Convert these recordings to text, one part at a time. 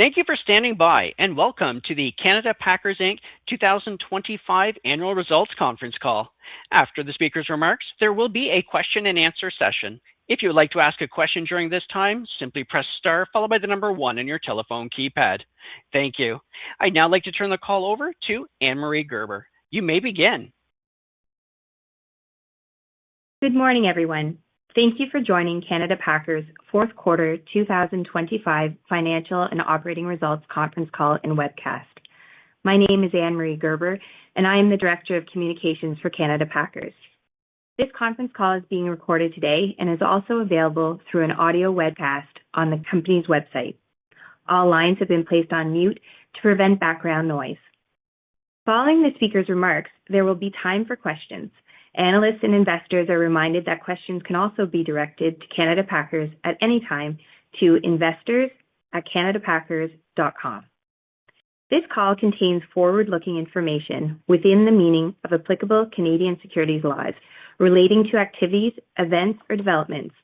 Thank you for standing by welcome to the Canada Packers Inc. 2025 annual results conference call. After the speaker's remarks, there will be a Q&A session. If you would like to ask a question during this time, simply press star followed by 1 on your telephone keypad. Thank you. I'd now like to turn the call over to Anne-Marie Gerber. You may begin. Good morning, everyone. Thank you for joining Canada Packers' 4th quarter 2025 financial and operating results conference call and webcast. My name is Anne-Marie Gerber, and I am the Director of Communications for Canada Packers. This conference call is being recorded today and is also available through an audio webcast on the company's website. All lines have been placed on mute to prevent background noise. Following the speaker's remarks, there will be time for questions. Analysts and investors are reminded that questions can also be directed to Canada Packers at any time to investors@canadapackers.com. This call contains forward-looking information within the meaning of applicable Canadian securities laws relating to activities, events, or developments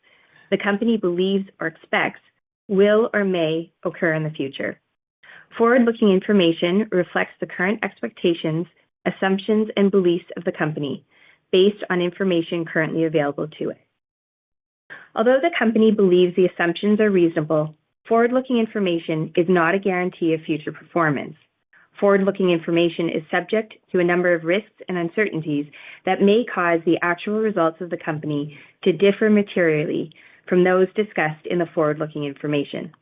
the company believes or expects will or may occur in the future. Forward-looking information reflects the current expectations, assumptions, and beliefs of the company based on information currently available to it. Although the company believes the assumptions are reasonable, forward-looking information is not a guarantee of future performance. Forward-looking information is subject to a number of risks and uncertainties that may cause the actual results of the company to differ materially from those discussed in the forward-looking information.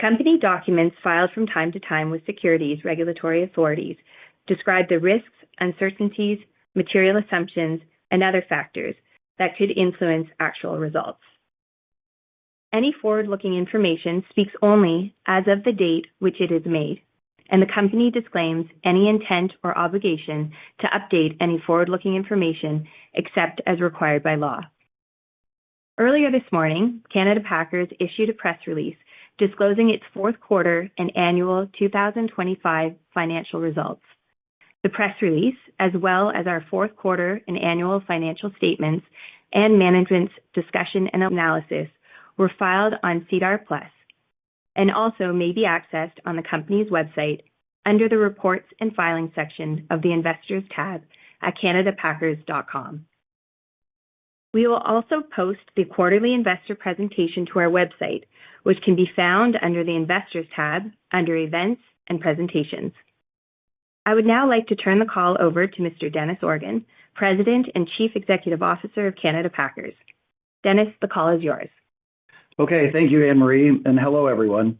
Company documents filed from time to time with securities regulatory authorities describe the risks, uncertainties, material assumptions, and other factors that could influence actual results. Any forward-looking information speaks only as of the date which it is made, and the company disclaims any intent or obligation to update any forward-looking information except as required by law. Earlier this morning, Canada Packers issued a press release disclosing its Q4 and annual 2025 financial results. The press release, as well as our Q4 and annual financial statements and management's discussion and analysis, were filed on SEDAR+ and also may be accessed on the company's website under the Reports and Filings section of the Investors tab at canadapackers.com. We will also post the quarterly investor presentation to our website, which can be found under the Investors tab under Events and Presentations. I would now like to turn the call over to Mr. Dennis Organ, President and Chief Executive Officer of Canada Packers. Dennis, the call is yours. Okay. Thank you, Anne-Marie, and hello, everyone.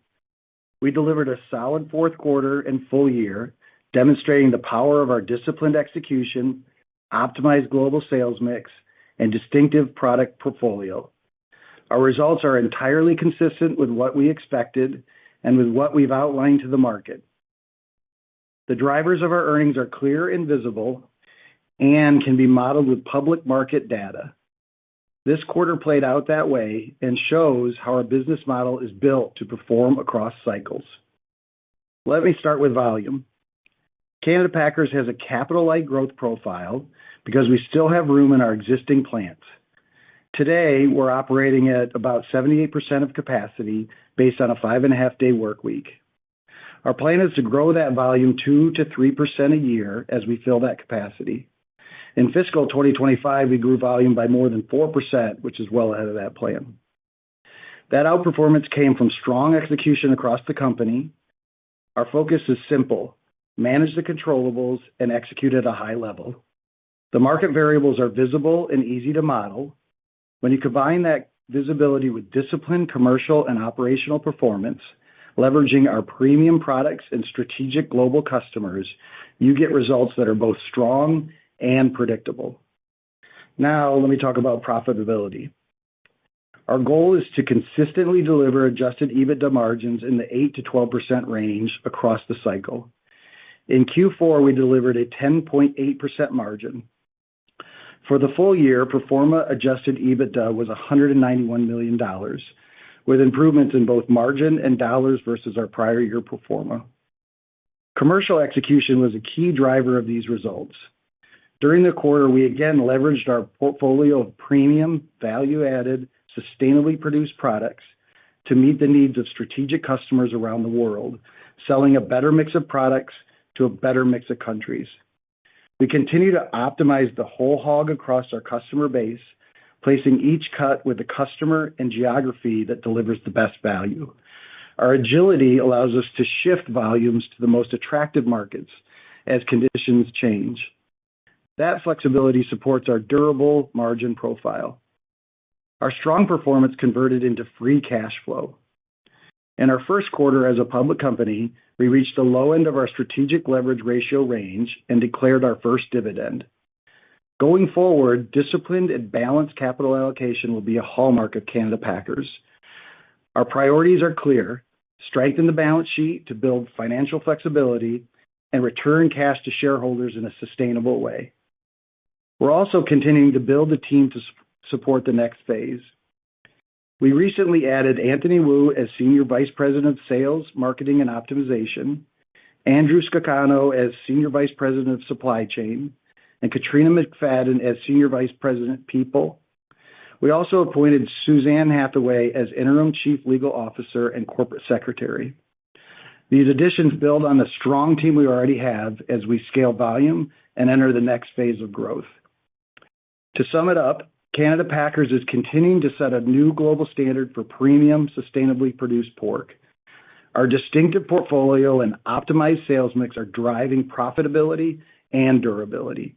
We delivered a solid Q4 and full year demonstrating the power of our disciplined execution, optimized global sales mix, and distinctive product portfolio. Our results are entirely consistent with what we expected and with what we've outlined to the market. The drivers of our earnings are clear and visible and can be modeled with public market data. This quarter played out that way and shows how our business model is built to perform across cycles. Let me start with volume. Canada Packers has a capital-light growth profile because we still have room in our existing plants. Today, we're operating at about 78% of capacity based on a 5.5-day workweek. Our plan is to grow that volume 2%-3% a year as we fill that capacity. In fiscal 2025, we grew volume by more than 4%, which is well ahead of that plan. That outperformance came from strong execution across the company. Our focus is simple: manage the controllables and execute at a high level. The market variables are visible and easy to model. When you combine that visibility with disciplined commercial and operational performance, leveraging our premium products and strategic global customers, you get results that are both strong and predictable. Now let me talk about profitability. Our goal is to consistently deliver adjusted EBITDA margins in the 8%-12% range across the cycle. In Q4, we delivered a 10.8% margin. For the full year, pro forma adjusted EBITDA was 191 million dollars, with improvements in both margin and dollars versus our prior year pro forma. Commercial execution was a key driver of these results. During the quarter, we again leveraged our portfolio of premium, value-added, sustainably produced products to meet the needs of strategic customers around the world, selling a better mix of products to a better mix of countries. We continue to optimize the whole hog across our customer base, placing each cut with the customer and geography that delivers the best value. Our agility allows us to shift volumes to the most attractive markets as conditions change. That flexibility supports our durable margin profile. Our strong performance converted into free cash flow. In our Q1 as a public company, we reached the low end of our strategic leverage ratio range and declared our first dividend. Going forward, disciplined and balanced capital allocation will be a hallmark of Canada Packers. Our priorities are clear: strengthen the balance sheet to build financial flexibility and return cash to shareholders in a sustainable way. We're also continuing to build the team to support the next phase. We recently added Anthony Wu as Senior Vice President of Sales, Marketing, and Optimization, Andrew Scuccato as Senior Vice President of Supply Chain, and Katrina McFadden as Senior Vice President, People. We also appointed Suzanne Hathaway as Interim Chief Legal Officer and Corporate Secretary. These additions build on the strong team we already have as we scale volume and enter the next phase of growth. To sum it up, Canada Packers is continuing to set a new global standard for premium, sustainably produced pork. Our distinctive portfolio and optimized sales mix are driving profitability and durability.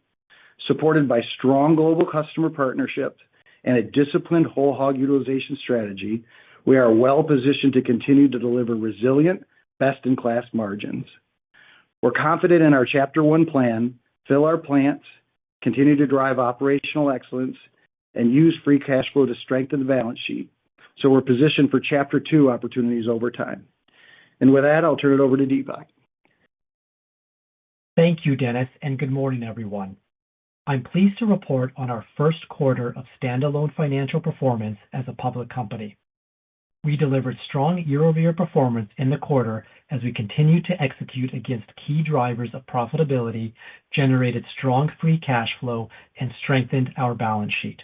Supported by strong global customer partnerships and a disciplined Whole Hog Utilization Strategy, we are well-positioned to continue to deliver resilient, best-in-class margins. We're confident in our chapter one plan, fill our plants, continue to drive operational excellence, and use free cash flow to strengthen the balance sheet, so we're positioned for chapter 2 opportunities over time. With that, I'll turn it over to Deepak. Thank you, Dennis, and good morning, everyone. I'm pleased to report on our Q1 of standalone financial performance as a public company. We delivered strong year-over-year performance in the quarter as we continued to execute against key drivers of profitability, generated strong free cash flow, and strengthened our balance sheet.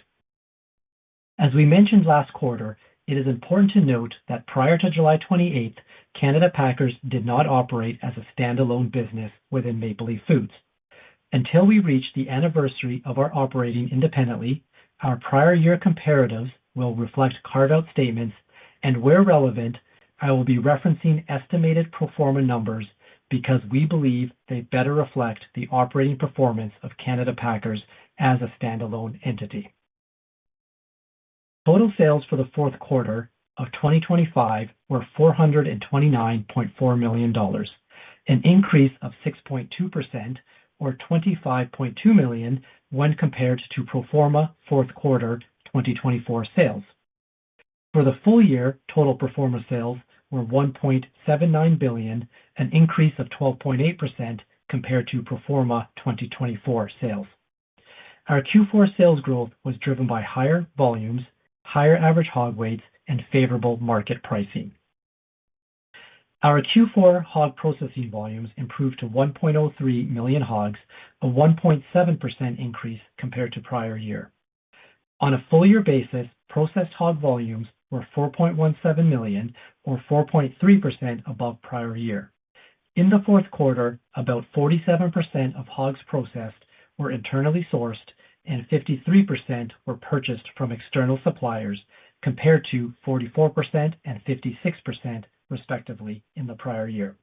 As we mentioned last quarter, it is important to note that prior to July 28th, Canada Packers did not operate as a standalone business within Maple Leaf Foods. Until we reach the anniversary of our operating independently, our prior year comparatives will reflect carved-out statements, and where relevant, I will be referencing estimated pro forma numbers because we believe they better reflect the operating performance of Canada Packers as a standalone entity. Total sales for the Q4 of 2025 were 429.4 million dollars, an increase of 6.2% or 25.2 million when compared to pro forma Q4 2024 sales. For the full year, total pro forma sales were 1.79 billion, an increase of 12.8% compared to pro forma 2024 sales. Our Q4 sales growth was driven by higher volumes, higher average hog weights, and favorable market pricing. Our Q4 hog processing volumes improved to 1.03 million hogs, a 1.7% increase compared to prior year. On a full year basis, processed hog volumes were 4.17 million or 4.3% above prior year. In the Q4, about 47% of hogs processed were internally sourced and 53% were purchased from external suppliers, compared to 44% and 56% respectively in the prior year.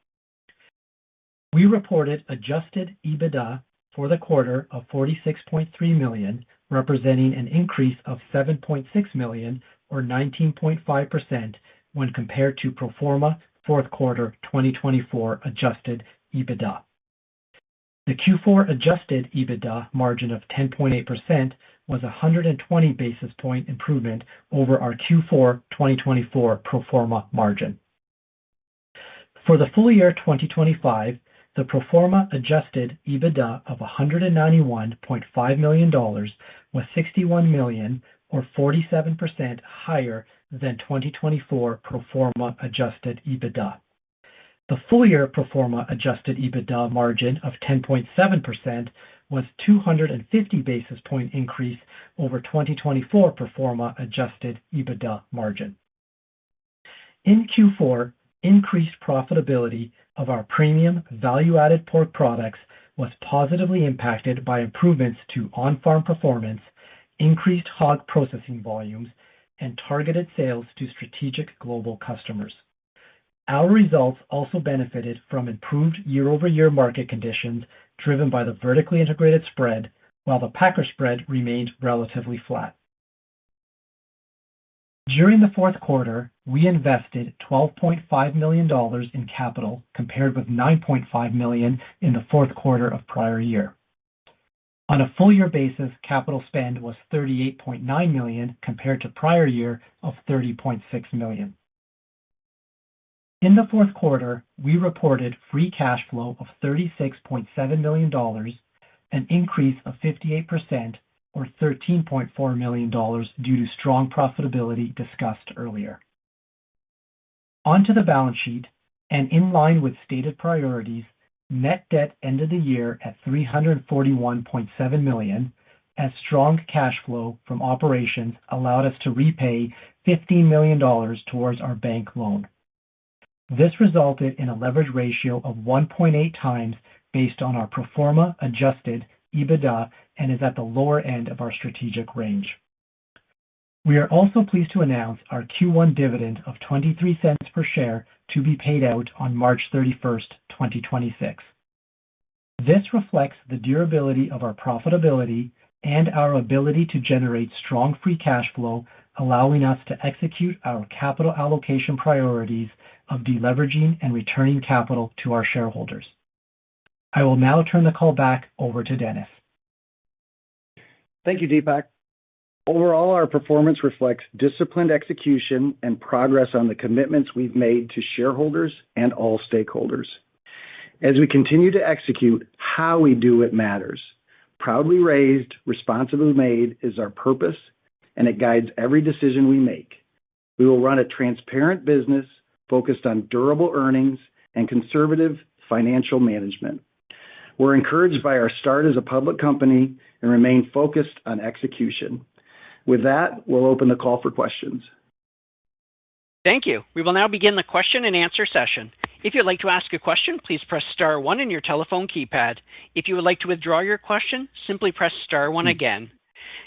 We reported adjusted EBITDA for the quarter of 46.3 million, representing an increase of 7.6 million or 19.5% when compared to pro forma Q4 2024 adjusted EBITDA. The Q4 adjusted EBITDA margin of 10.8% was 120 basis point improvement over our Q4 2024 pro forma margin. For the full year 2025, the pro forma adjusted EBITDA of 191.5 million dollars was 61 million or 47% higher than 2024 pro forma adjusted EBITDA. The full year pro forma adjusted EBITDA margin of 10.7% was 250 basis point increase over 2024 pro forma adjusted EBITDA margin. In Q4, increased profitability of our premium value-added pork products was positively impacted by improvements to on-farm performance, increased hog processing volumes, and targeted sales to strategic global customers. Our results also benefited from improved year-over-year market conditions driven by the vertically integrated spread, while the packer spread remained relatively flat. During the Q4, we invested 12.5 million dollars in capital, compared with 9.5 million in the Q4 of prior year. On a full year basis, capital spend was 38.9 million compared to prior year of 30.6 million. In the Q4, we reported free cash flow of 36.7 million dollars, an increase of 58% or 13.4 million dollars due to strong profitability discussed earlier. The balance sheet and in line with stated priorities, net debt ended the year at 341.7 million, as strong cash flow from operations allowed us to repay 15 million dollars towards our bank loan. This resulted in a leverage ratio of 1.8x based on our pro forma adjusted EBITDA and is at the lower end of our strategic range. We are also pleased to announce our Q1 dividend of 0.23 per share to be paid out on March 31, 2026. This reflects the durability of our profitability and our ability to generate strong free cash flow, allowing us to execute our capital allocation priorities of deleveraging and returning capital to our shareholders. I will now turn the call back over to Dennis. Thank you, Deepak. Overall, our performance reflects disciplined execution and progress on the commitments we've made to shareholders and all stakeholders. As we continue to execute how we do it matters. Proudly raised, responsibly made is our purpose. It guides every decision we make. We will run a transparent business focused on durable earnings and conservative financial management. We're encouraged by our start as a public company and remain focused on execution. With that, we'll open the call for questions. Thank you. We will now begin the Q&A session. If you'd like to ask a question, please press star one in your telephone keypad. If you would like to withdraw your question, simply press star one again.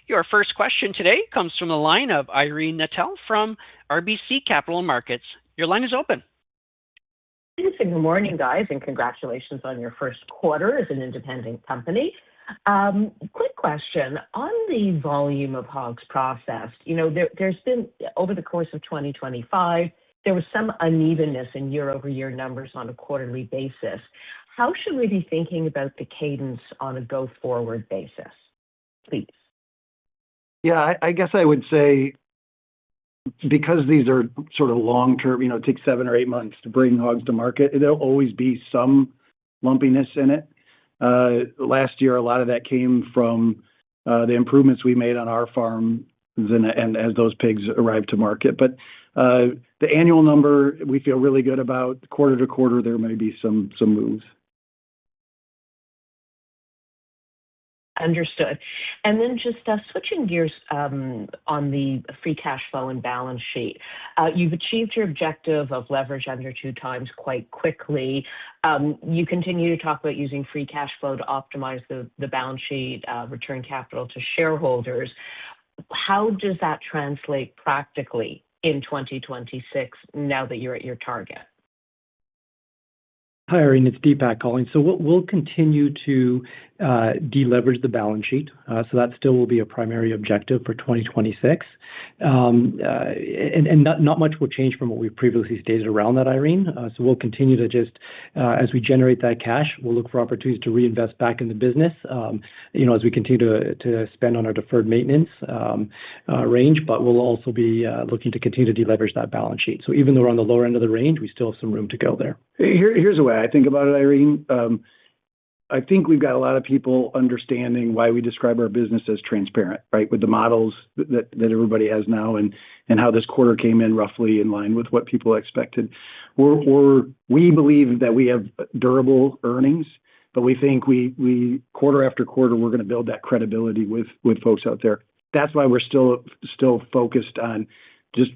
Your first question today comes from the line of Irene Nattel from RBC Capital Markets. Your line is open. Dennis, good morning, guys. Congratulations on your Q1 as an independent company. Quick question. On the volume of hogs processed, you know, there's been, over the course of 2025, there was some unevenness in year-over-year numbers on a quarterly basis. How should we be thinking about the cadence on a go-forward basis, please? I guess I would say because these are sort of long-term, you know, it takes 7 or 8 months to bring hogs to market, there'll always be some lumpiness in it. Last year, a lot of that came from the improvements we made on our farms and as those pigs arrived to market. The annual number we feel really good about. Quarter to quarter, there may be some moves. Understood. Just switching gears, on the free cash flow and balance sheet. You've achieved your objective of leverage under 2 times quite quickly. You continue to talk about using free cash flow to optimize the balance sheet, return capital to shareholders. How does that translate practically in 2026 now that you're at your target? Hi, Irene, it's Deepak calling. We'll continue to de-leverage the balance sheet. That still will be a primary objective for 2026. Not much will change from what we've previously stated around that, Irene. We'll continue to just as we generate that cash, we'll look for opportunities to reinvest back in the business, you know, as we continue to spend on our deferred maintenance range. We'll also be looking to continue to de-leverage that balance sheet. Even though we're on the lower end of the range, we still have some room to go there. Here's the way I think about it, Irene. I think we've got a lot of people understanding why we describe our business as transparent, right? With the models that everybody has now and how this quarter came in roughly in line with what people expected. We believe that we have durable earnings, but we think quarter after quarter, we're gonna build that credibility with folks out there. That's why we're still focused on just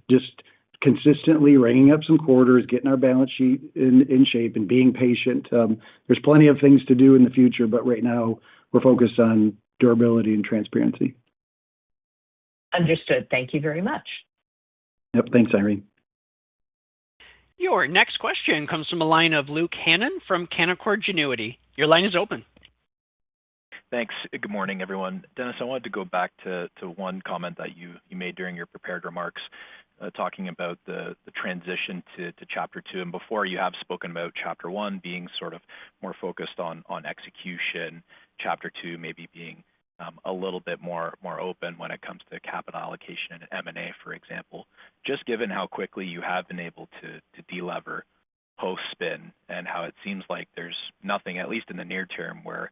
consistently ringing up some quarters, getting our balance sheet in shape and being patient. There's plenty of things to do in the future, but right now we're focused on durability and transparency. Understood. Thank you very much. Yep. Thanks, Irene. Your next question comes from the line of Luke Hannan from Canaccord Genuity. Your line is open. Thanks. Good morning, everyone. Dennis, I wanted to go back to one comment that you made during your prepared remarks, talking about the transition to chapter 2. Before you have spoken about chapter one being sort of more focused on execution, chapter 2 maybe being a little bit more open when it comes to capital allocation and M&A, for example. Just given how quickly you have been able to de-lever post-spin and how it seems like there's nothing, at least in the near term, where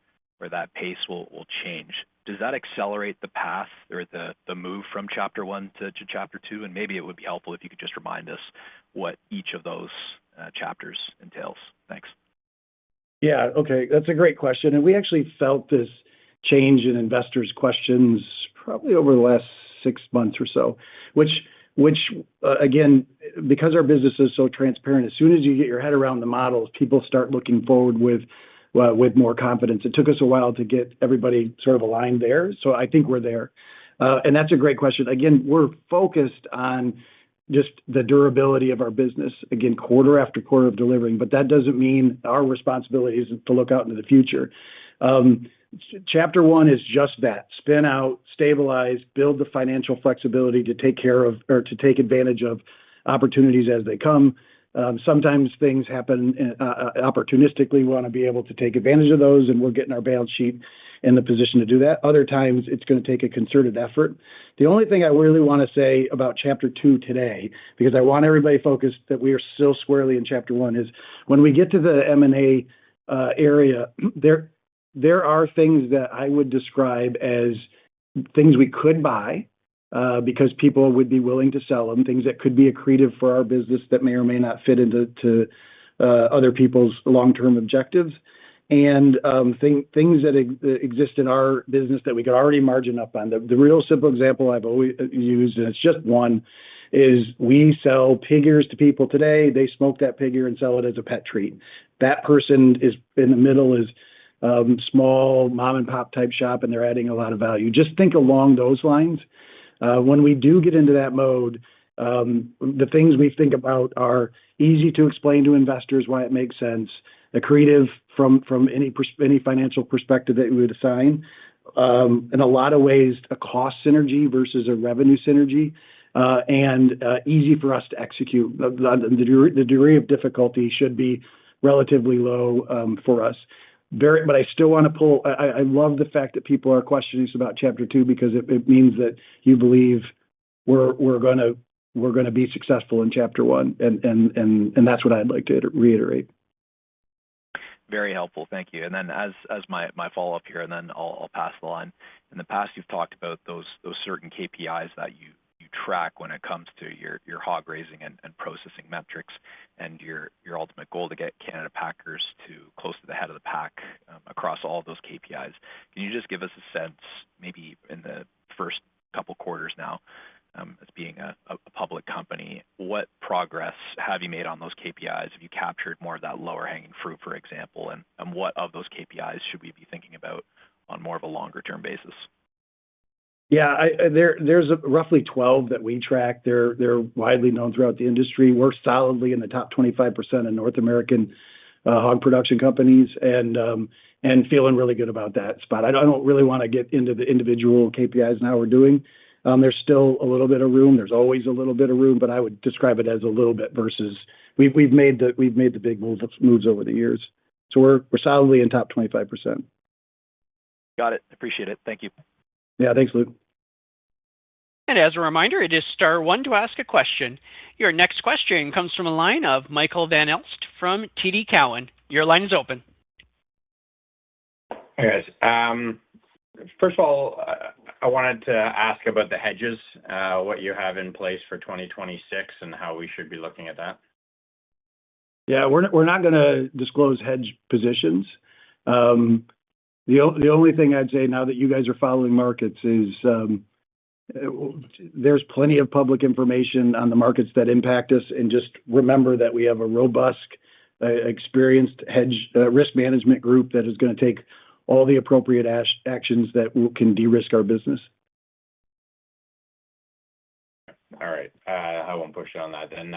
that pace will change, does that accelerate the path or the move from chapter one to chapter 2? Maybe it would be helpful if you could just remind us what each of those chapters entails. Thanks. That's a great question. We actually felt this change in investors' questions probably over the last 6 months or so, which, again, because our business is so transparent, as soon as you get your head around the models, people start looking forward with more confidence. It took us a while to get everybody sort of aligned there. I think we're there. That's a great question. Again, we're focused on just the durability of our business, again, quarter after quarter of delivering, but that doesn't mean our responsibility isn't to look out into the future. chapter one is just that, spin out, stabilize, build the financial flexibility to take care of or to take advantage of opportunities as they come. Sometimes things happen opportunistically. We wanna be able to take advantage of those, and we're getting our balance sheet in the position to do that. Other times, it's gonna take a concerted effort. The only thing I really wanna say about chapter 2 today, because I want everybody focused that we are still squarely in chapter one, is when we get to the M&A area, there are things that I would describe as things we could buy, because people would be willing to sell them, things that could be accretive for our business that may or may not fit into other people's long-term objectives and things that exist in our business that we could already margin up on. The real simple example I've always used, and it's just one, is we sell pig ears to people today. They smoke that pig ear and sell it as a pet treat. That person is in the middle is, small mom-and-pop type shop, and they're adding a lot of value. Just think along those lines. When we do get into that mode, the things we think about are easy to explain to investors why it makes sense, accretive from any financial perspective that you would assign, in a lot of ways, a cost synergy versus a revenue synergy, and easy for us to execute. The degree of difficulty should be relatively low, for us. I love the fact that people are questioning us about chapter 2 because it means that you believe we're gonna be successful in chapter one, and that's what I'd like to reiterate. Very helpful. Thank you. Then as my follow-up here, I'll pass the line. In the past, you've talked about those certain KPIs that you track when it comes to your hog raising and processing metrics and your ultimate goal to get Canada Packers to close to the head of the pack across all those KPIs. Can you just give us a sense, maybe in the first couple quarters now, as being a public company, what progress have you made on those KPIs? Have you captured more of that lower hanging fruit, for example? What of those KPIs should we be thinking about on more of a longer term basis? Yeah. I, there's roughly 12 that we track. They're widely known throughout the industry. We're solidly in the top 25% of North American hog production companies and feeling really good about that. I don't really wanna get into the individual KPIs and how we're doing. There's still a little bit of room. There's always a little bit of room, but I would describe it as a little bit versus we've made the big moves over the years. We're solidly in top 25%. Got it. Appreciate it. Thank you. Yeah. Thanks, Luke. As a reminder, it is star one to ask a question. Your next question comes from the line of Michael van Aelst from TD Cowen. Your line is open. Hey, guys. First of all, I wanted to ask about the hedges, what you have in place for 2026 and how we should be looking at that. Yeah. We're not gonna disclose hedge positions. The only thing I'd say now that you guys are following markets is, there's plenty of public information on the markets that impact us, and just remember that we have a robust, experienced hedge, risk management group that is gonna take all the appropriate actions that can de-risk our business. All right. I won't push on that then.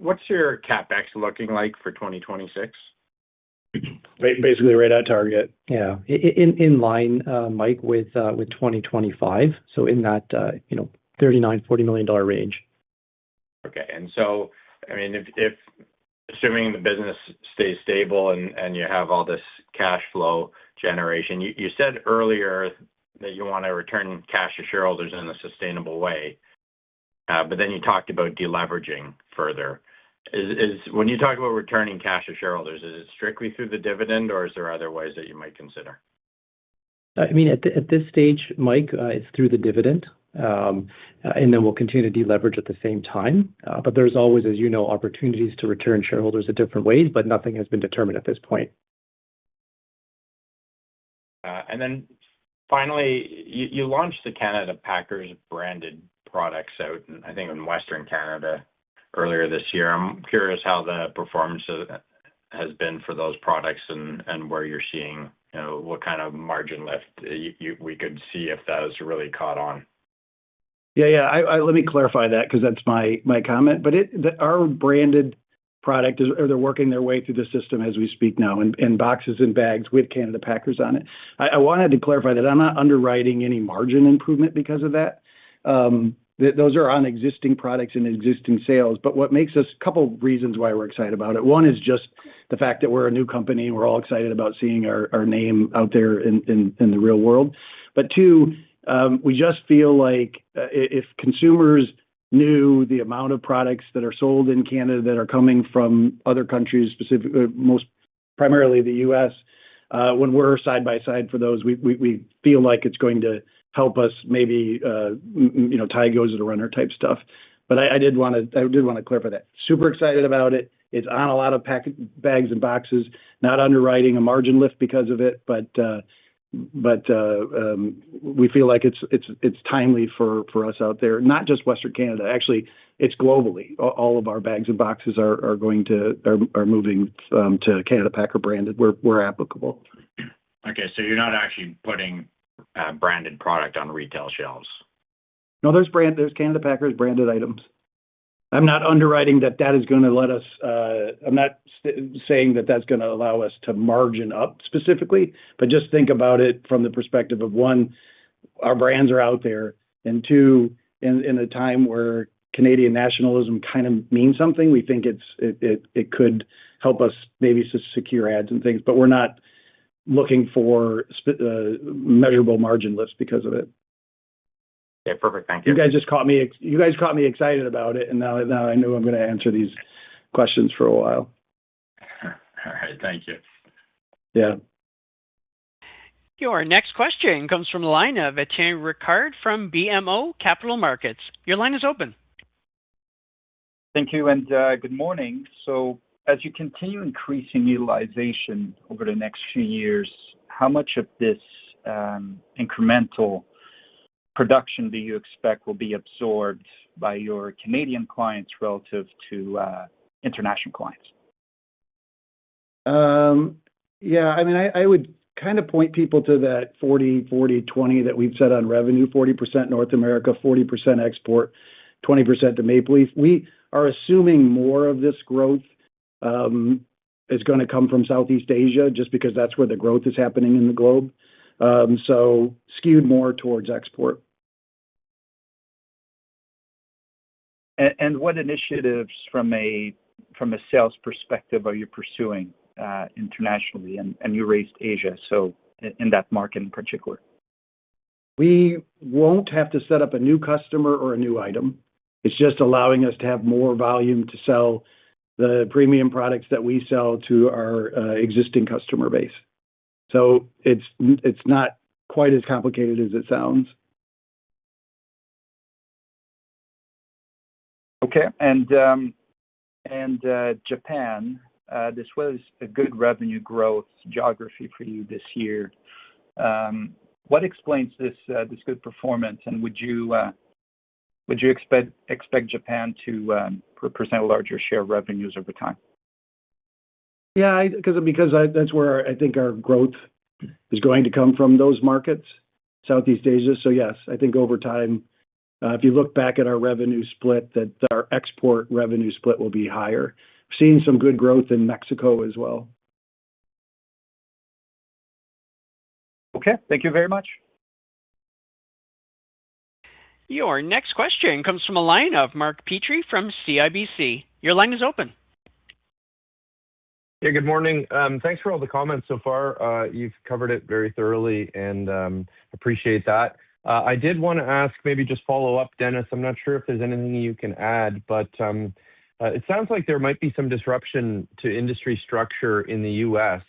What's your CapEx looking like for 2026? Basically right on target. Yeah. In line, Mike, with 2025, so in that, you know, 39 million-40 million dollar range. I mean, if assuming the business stays stable and you have all this cash flow generation, you said earlier that you wanna return cash to shareholders in a sustainable way. Then you talked about deleveraging further. When you talk about returning cash to shareholders, is it strictly through the dividend or is there other ways that you might consider? I mean, at this stage, Mike, it's through the dividend. We'll continue to deleverage at the same time. There's always, as you know, opportunities to return shareholders at different ways, but nothing has been determined at this point. Then finally, you launched the Canada Packers branded products out, I think in western Canada earlier this year. I'm curious how the performance has been for those products and where you're seeing, you know, what kind of margin lift you could see if that has really caught on. Yeah. I... Let me clarify that because that's my comment. Our branded product or they're working their way through the system as we speak now in boxes and bags with Canada Packers on it. I wanted to clarify that I'm not underwriting any margin improvement because of that. Those are on existing products and existing sales. What makes us... Couple reasons why we're excited about it. One is just the fact that we're a new company. We're all excited about seeing our name out there in the real world. 2, we just feel like if consumers knew the amount of products that are sold in Canada that are coming from other countries, most primarily the U.S., when we're side by side for those, we feel like it's going to help us maybe, you know, tie goes to the runner type stuff. I did wanna clarify that. Super excited about it. It's on a lot of bags and boxes, not underwriting a margin lift because of it, we feel like it's timely for us out there, not just Western Canada, actually, it's globally. All of our bags and boxes are moving to Canada Packer branded where applicable. You're not actually putting branded product on retail shelves? No, there's Canada Packers branded items. I'm not underwriting that that is gonna let us... I'm not saying that that's gonna allow us to margin up specifically, but just think about it from the perspective of, one, our brands are out there, and 2, in a time where Canadian nationalism kind of means something, we think it, it could help us maybe secure ads and things. We're not looking for measurable margin lists because of it. Okay. Perfect. Thank you. You guys just caught me excited about it, now I know I'm gonna answer these questions for a while. All right. Thank you. Yeah. Your next question comes from the line of Étienne Ricard from BMO Capital Markets. Your line is open. Thank you, and good morning. As you continue increasing utilization over the next few years, how much of this incremental production do you expect will be absorbed by your Canadian clients relative to international clients? Yeah, I mean, I would kinda point people to that 40/40/20 that we've set on revenue, 40% North America, 40% export, 20% to Maple Leaf. We are assuming more of this growth is gonna come from Southeast Asia just because that's where the growth is happening in the globe. Skewed more towards export. What initiatives from a, from a sales perspective are you pursuing, internationally? You raised Asia, so in that market in particular. We won't have to set up a new customer or a new item. It's just allowing us to have more volume to sell the premium products that we sell to our existing customer base. It's not quite as complicated as it sounds. Okay. Japan, this was a good revenue growth geography for you this year. What explains this good performance? Would you expect Japan to represent a larger share of revenues over time? Yeah, because That's where I think our growth is going to come from, those markets, Southeast Asia. Yes, I think over time, if you look back at our revenue split, that our export revenue split will be higher. We're seeing some good growth in Mexico as well. Okay. Thank you very much. Your next question comes from the line of Mark Petrie from CIBC. Your line is open. Yeah, good morning. Thanks for all the comments so far. You've covered it very thoroughly and appreciate that. I did wanna ask, maybe just follow up, Dennis, I'm not sure if there's anything you can add, but it sounds like there might be some disruption to industry structure in the U.S.,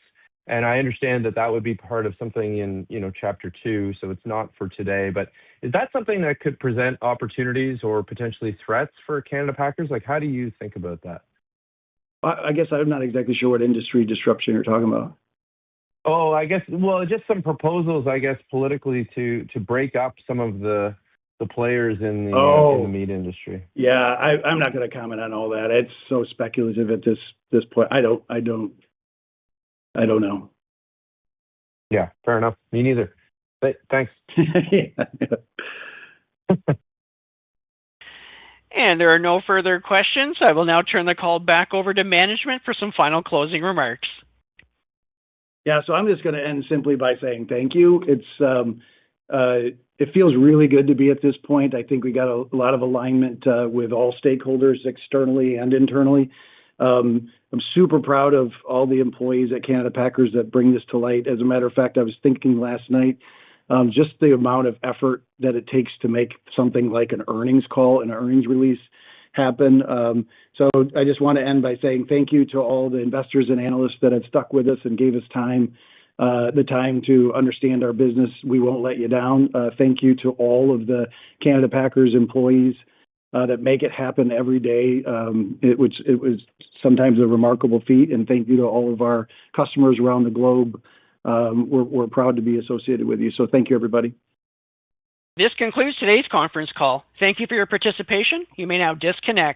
and I understand that that would be part of something in, you know, chapter 2, so it's not for today. Is that something that could present opportunities or potentially threats for Canada Packers? Like, how do you think about that? I guess I'm not exactly sure what industry disruption you're talking about. Oh, I guess, well, just some proposals, I guess, politically to break up some of the players in the. Oh... in the meat industry. Yeah. I'm not gonna comment on all that. It's so speculative at this point. I don't know. Yeah, fair enough. Me neither. Thanks. Yeah. There are no further questions. I will now turn the call back over to management for some final closing remarks. I'm just gonna end simply by saying thank you. It feels really good to be at this point. I think we got a lot of alignment with all stakeholders externally and internally. I'm super proud of all the employees at Canada Packers that bring this to light. As a matter of fact, I was thinking last night, just the amount of effort that it takes to make something like an earnings call and earnings release happen. I just wanna end by saying thank you to all the investors and analysts that have stuck with us and gave us time, the time to understand our business. We won't let you down. Thank you to all of the Canada Packers employees that make it happen every day, it was sometimes a remarkable feat. Thank you to all of our customers around the globe. We're proud to be associated with you. Thank you, everybody. This concludes today's conference call. Thank you for your participation. You may now disconnect.